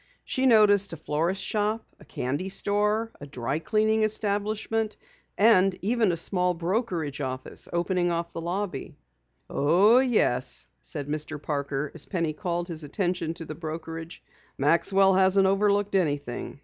She noticed a florist shop, a candy store, a dry cleaning establishment, and even a small brokerage office opening off the lobby. "Oh, yes," said Mr. Parker as Penny called his attention to the brokerage. "Maxwell hasn't overlooked anything.